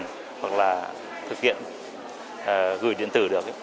hoặc là thực hiện gửi điện tử được